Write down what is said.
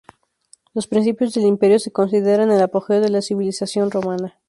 Los principios del Imperio se consideran el apogeo de la civilización romana.